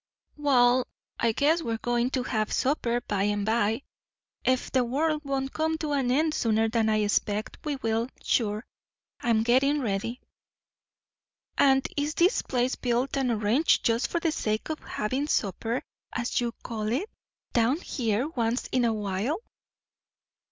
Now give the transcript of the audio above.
"Wall, I guess we're goin' to hev supper by and by; ef the world don't come to an end sooner than I expect, we will, sure. I'm a gettin' ready." "And is this place built and arranged just for the sake of having supper, as you call it, down here once in a while?"